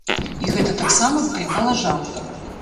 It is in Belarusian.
І гэта таксама выклікала жарты.